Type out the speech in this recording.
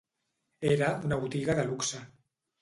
Era una botiga de luxe